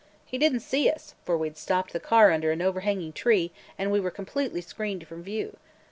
He did n't see us, for we 'd stopped the car under an overhanging tree and we were completely screened from view.